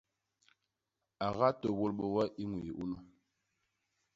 A gatôbôl bé we i ñwin unu.